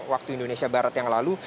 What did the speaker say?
waktu indonesia barat yang lalu